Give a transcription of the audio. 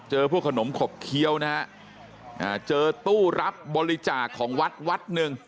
พวกขนมขบเคี้ยวนะฮะเจอตู้รับบริจาคของวัดวัดหนึ่ง